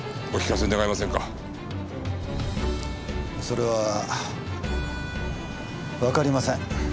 それはわかりません。